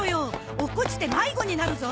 落っこちて迷子になるぞ！